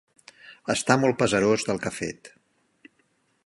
Està molt pesarós del que ha fet.